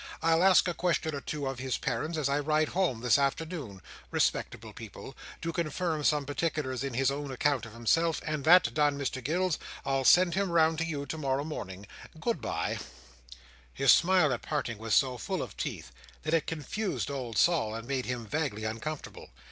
I'll ask a question or two of his parents as I ride home this afternoon—respectable people—to confirm some particulars in his own account of himself; and that done, Mr Gills, I'll send him round to you to morrow morning. Goodbye!" His smile at parting was so full of teeth, that it confused old Sol, and made him vaguely uncomfortable.